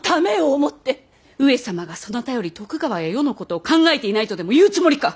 上様がそなたより徳川や世のことを考えていないとでも言うつもりか？